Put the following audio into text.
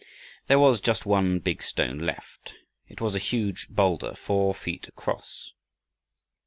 There was just one big stone left. It was a huge boulder, four feet across.